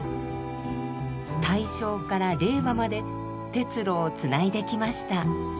大正から令和まで鉄路をつないできました。